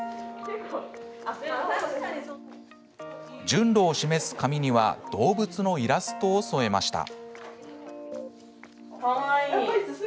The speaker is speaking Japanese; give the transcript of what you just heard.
順路を示す紙には動物のイラストを添えました。